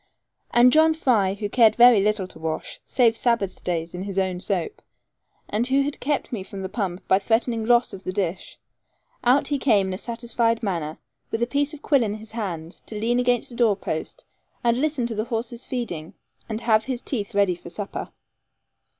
And John Fry, who cared very little to wash, save Sabbath days in his own soap, and who had kept me from the pump by threatening loss of the dish, out he came in a satisfied manner, with a piece of quill in his hand, to lean against a door post, and listen to the horses feeding, and have his teeth ready for supper.